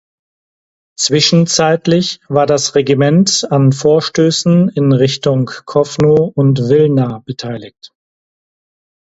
Zwischenzeitlich war das Regiment an Vorstößen in Richtung Kowno und Wilna beteiligt.